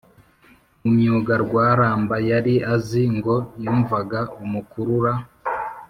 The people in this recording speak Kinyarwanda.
Mu myuga Rwaramba yari azi ngo yumvaga umukurura